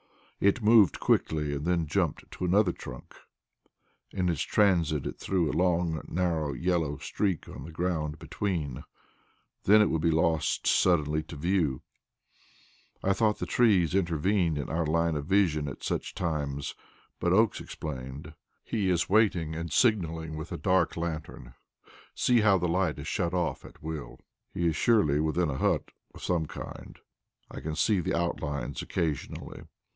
It moved quickly, and then jumped to another trunk; in its transit it threw a long, narrow yellow streak on the ground between. Then it would be lost suddenly to our view. I thought the trees intervened in our line of vision at such times, but Oakes explained: "He is waiting and signalling with a dark lantern; see how the light is shut off at will. He is surely within a hut of some kind; I can see the outlines occasionally."